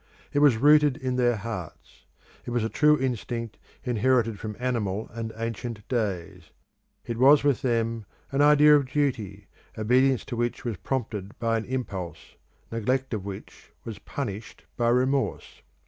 It was rooted in their hearts; it was a true instinct inherited from animal and ancient days; it was with them an idea of duty, obedience to which was prompted by an impulse, neglect of which was punished by remorse.